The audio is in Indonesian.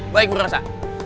baik bu rasa